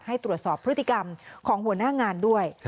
ให้ตรวจสอบพฤติกรรมของหัวหน้างานด้วย